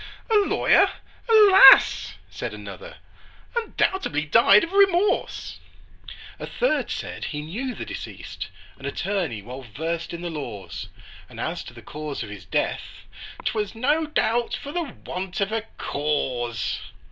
"A lawyer? Alas!" said another, "Undoubtedly died of remorse!" A third said, "He knew the deceased, An attorney well versed in the laws, And as to the cause of his death, 'Twas no doubt for the want of a cause."